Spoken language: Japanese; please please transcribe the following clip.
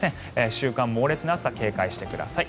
１週間、猛烈な暑さ警戒してください。